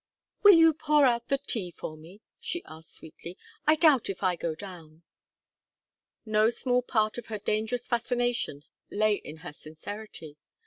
"Will you pour out the tea for me?" she asked, sweetly. "I doubt if I go down." No small part of her dangerous fascination lay in her sincerity.